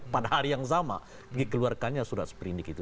pada hari yang sama dikeluarkannya surat seprindik itu